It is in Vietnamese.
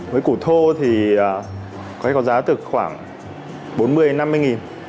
với củ thô thì có thể có giá từ khoảng bốn mươi năm mươi nghìn